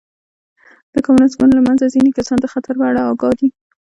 د کمونېست ګوند له منځه ځیني کسان د خطر په اړه اګاه دي.